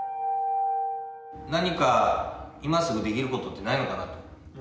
何か今すぐできることってないのかなと。